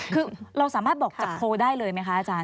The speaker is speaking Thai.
คือเราสามารถบอกจากโพลได้เลยไหมคะอาจารย